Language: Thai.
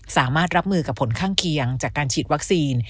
สามารถรับมือกับผลข้างเคียงจากการฉีดวัคซีน